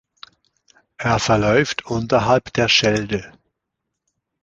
Er verläuft unterhalb der Schelde.